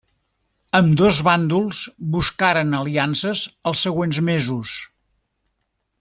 Ambdós bàndols buscaren aliances els següents mesos.